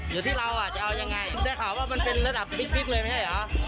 มันรักเราจริงมึงต้องมามึงทำอย่างนี้ไม่ได้